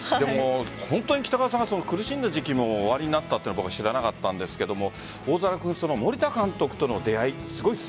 北川さんが苦しんだ時期もおありになったのは知らなかったんですが大空君、森田監督との出会い